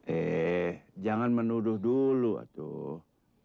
eh jangan menuduh dulu aduh